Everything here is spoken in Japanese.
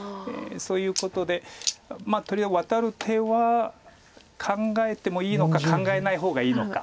そういうことでとりあえずワタる手は考えてもいいのか考えない方がいいのか。